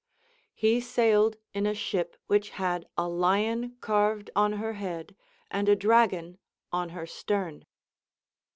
He sailed in a ship which had a lion carved on her head and a dragon on her stern.